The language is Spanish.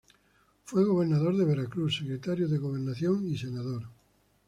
Fue Gobernador de Veracruz, Secretario de Gobernación y Senador.